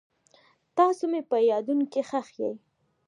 تاسو مې په یادونو کې ښخ یئ.